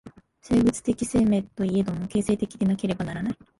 生物的生命といえども、形成的でなければならない。